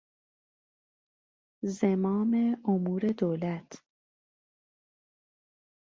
زمام امور دولت